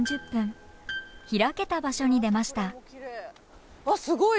開けた場所に出ました。